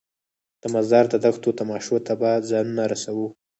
د مزار د دښتو تماشو ته به ځانونه رسوو.